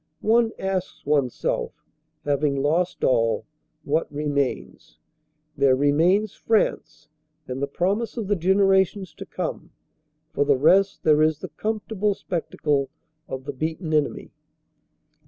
One asks oneself, having lost all, what remains? There remains France and the promise of the generations to come. For the rest, there is the comfortable spectacle of the beaten enemy.